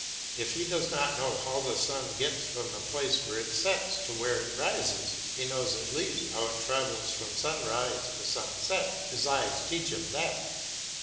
If he does not know how the sun gets from the place where it sets to where it rises, he knows at least how it travels from sunrise to sunset, his eyes teach him that.